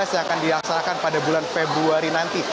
yang akan dilaksanakan pada bulan februari nanti